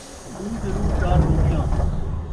ݙو تے ݙو چار روٹیاں